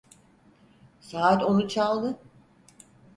Saat onu çaldı…